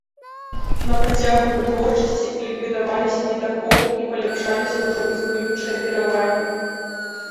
На працягу вытворчасці ліквідаваліся недахопы і паляпшаліся ўжо існуючыя перавагі.